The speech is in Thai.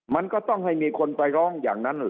มันก็ต้องให้มีคนไปร้องอย่างนั้น